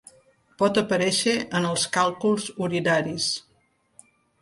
Pot aparèixer en els càlculs urinaris.